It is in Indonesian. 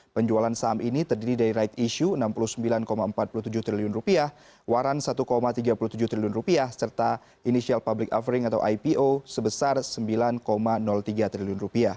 penjualan saham ini terdiri dari right issue rp enam puluh sembilan empat puluh tujuh triliun waran rp satu tiga puluh tujuh triliun serta inisial public offering atau ipo sebesar rp sembilan tiga triliun